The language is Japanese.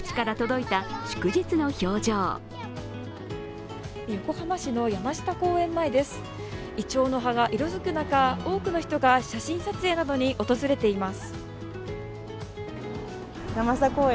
いちょうの葉が色づく中多くの人が写真撮影などに訪れています。